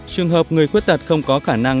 trường hợp người khuyết tật không có khả năng